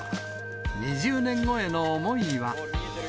２０年後への思いは。